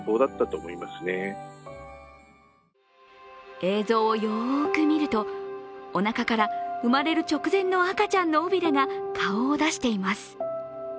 映像をよく見ると、おなかから生まれる直前の赤ちゃんの尾びれが顔を出しています。